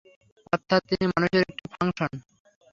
অর্থাৎ তিনি মানুষের একটি ফাংশন।